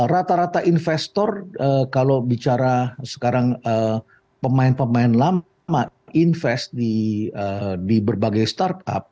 rata rata investor kalau bicara sekarang pemain pemain lama invest di berbagai startup